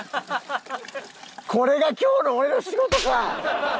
これが今日の俺の仕事か！